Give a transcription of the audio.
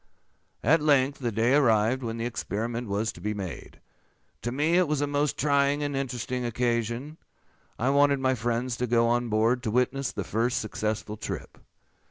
"At length the day arrived when the experiment was to be made. To me it was a most trying and interesting occasion. I wanted many friends to go on board to witness the first successful trip.